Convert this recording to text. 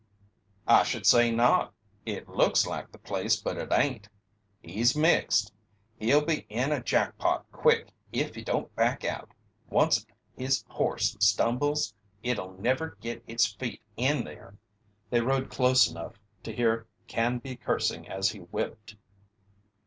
"I should say not! It looks like the place but it ain't he's mixed he'll be in a jack pot quick if he don't back out. Onct his horse stumbles it'll never git its feet in there." They rode close enough to hear Canby cursing as he whipped.